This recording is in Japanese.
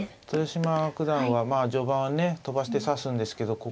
豊島九段はまあ序盤はね飛ばして指すんですけど。